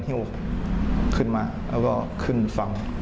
เหี้ยวขึ้นมาแล้วก็ขึ้นฝั่ง